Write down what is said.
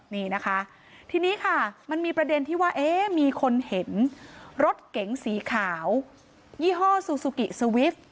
นี่นะคะทีนี้ค่ะมันมีประเด็นที่ว่าเอ๊ะมีคนเห็นรถเก๋งสีขาวยี่ห้อซูซูกิสวิป